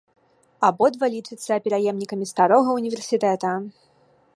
Абодва лічацца пераемнікамі старога ўніверсітэта.